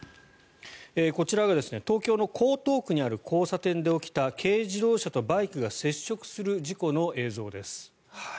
こちらは東京の江東区にある交差点で起きた軽自動車とバイクが接触する事故の映像です。